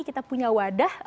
kita punya wadah